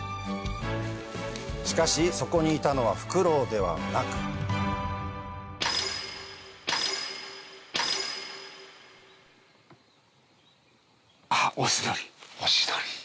しかしそこにいたのはフクロウではなくオシドリ。